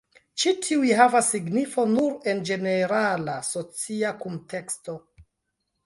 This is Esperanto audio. Ĉi tiuj havas signifon nur en ĝenerala socia kunteksto.